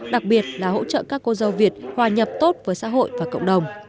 đặc biệt là hỗ trợ các cô dâu việt hòa nhập tốt với xã hội và cộng đồng